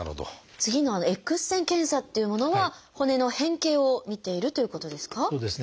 次の「Ｘ線検査」っていうものは骨の変形を見ているということですか？